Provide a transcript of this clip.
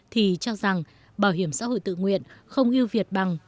thì cho rằng bảo hiểm xã hội tự nguyện không yêu việt bằng